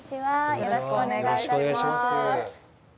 よろしくお願いします。